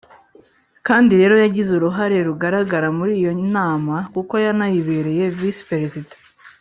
kandi rero yagize uruhare rugaragara muri iyo Nama kuko yanayibereye Visi-Perezida,